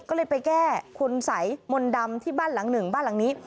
ก็เลยไปแก้คุณสัยมนต์ดำที่บ้านหลังหนึ่งบ้านหลังนี้